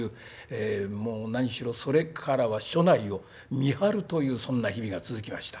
それからは署内を見張るというそんな日々が続きました。